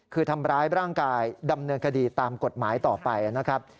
คือทำร้ายร่างกายดำเนินคดีตามกฎหมายต่อไปนะครับ